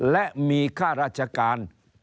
และมีค่าราชการ